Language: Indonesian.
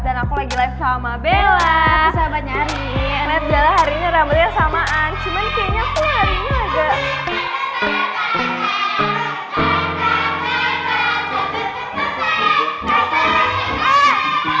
dan aku lagi live sama bella